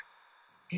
え？